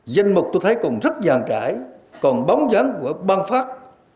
dân mục tôi thấy còn rất giàn trải còn bóng dáng của băng phát